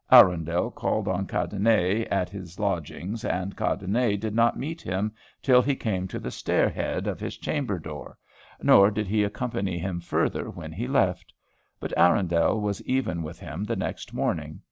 Arundel called on Cadenet at his lodgings, and Cadenet did not meet him till he came to the stair head of his chamber door nor did he accompany him further when he left. But Arundel was even with him the next morning.